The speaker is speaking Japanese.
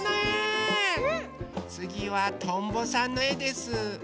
つぎはとんぼさんのえです。